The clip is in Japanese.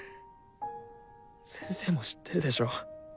先生も知ってるでしょ？